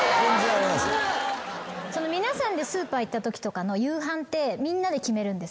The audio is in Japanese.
皆さんでスーパー行ったときとかの夕飯ってみんなで決めるんですか？